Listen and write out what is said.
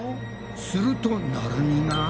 するとなるみが。